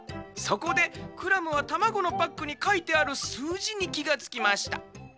そこでクラムはたまごのパックにかいてあるすうじにきがつきました。